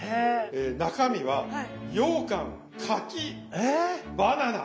中身はようかん柿バナナ。